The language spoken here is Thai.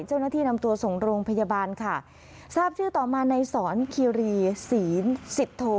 เจ้าหน้าที่นำตัวส่งโรงพยาบาลค่ะทราบชื่อต่อมาในสอนคิรีศีลสิทธโธ